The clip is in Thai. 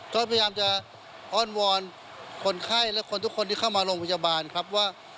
ก็พยายามจะอ้อนวอนคนไข้และคนทุกคนที่เข้ามาโรงพยาบาลครับว่า